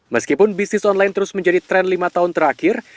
meskipun bisnis online terus menjadi tren lima tahun terakhir